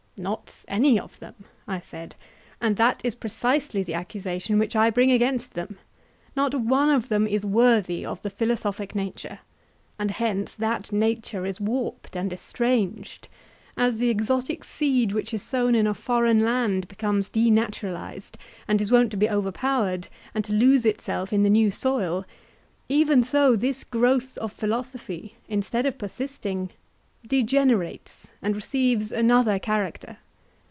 Not any of them, I said; and that is precisely the accusation which I bring against them—not one of them is worthy of the philosophic nature, and hence that nature is warped and estranged;—as the exotic seed which is sown in a foreign land becomes denaturalized, and is wont to be overpowered and to lose itself in the new soil, even so this growth of philosophy, instead of persisting, degenerates and receives another character.